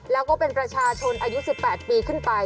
แล้วก็เป็นประชาชนอายุ๑๘ปีขึ้นไป